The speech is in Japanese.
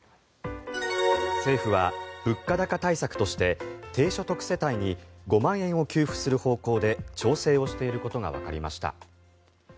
政府は物価高対策として低所得世帯に５万円を給付する方向で調整をしていることがわかりました。